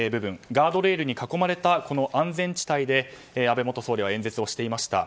ガードレールに囲まれた安全地帯で安倍元総理は演説をしていました。